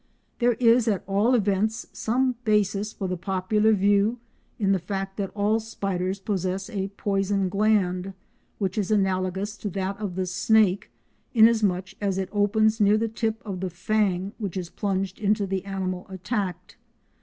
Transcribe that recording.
There is at all events some basis for the popular view in the fact that all spiders possess a poison gland which is analogous to that of the snake inasmuch as it opens near the tip of the fang which is plunged into the animal attacked.